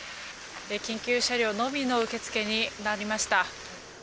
緊急車両のみの受け付けになりました。